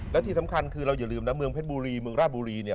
และที่สำคัญคือเราอย่าลืมนะเมืองเพชรบุรีเมืองราชบุรีเนี่ย